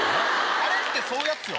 あれってそういうやつよ